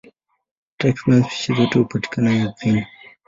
Takriban spishi zote hupatikana ardhini.